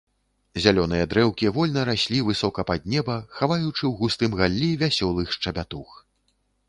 Зялёныя дрэўкі вольна раслі высока пад неба, хаваючы ў густым галлі вясёлых шчабятух.